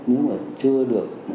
nếu mà chưa được